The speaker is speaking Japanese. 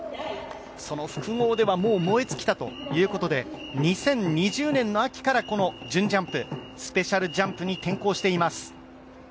その複合では燃え尽きたということで２０２０年の秋からこの準ジャンプスペシャルジャンプに転向しています。